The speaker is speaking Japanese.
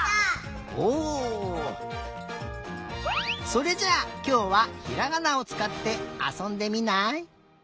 それじゃあきょうはひらがなをつかってあそんでみない？